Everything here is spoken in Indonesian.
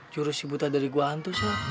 jurusi buta dari gua antus ya